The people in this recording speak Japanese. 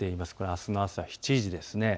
あすの朝７時です。